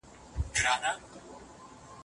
يو دبل نظرونه واورئ او دلائل سره وواياست